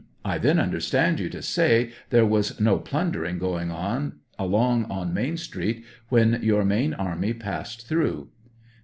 I then understand you to say there was no plun dering going on along on "Main street when your main army passed through